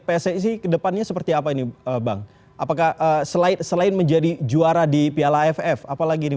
pssi kedepannya seperti apa ini bang apakah slide selain menjadi juara di piala aff apalagi ini